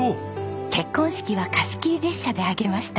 結婚式は貸し切り列車で挙げました。